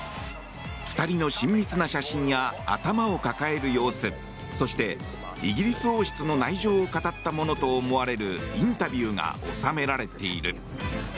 ２人の親密な写真や頭を抱える様子そしてイギリス王室の内情を語ったものと思われるインタビューが収められている。